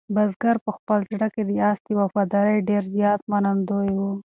بزګر په خپل زړه کې د آس د وفادارۍ ډېر زیات منندوی و.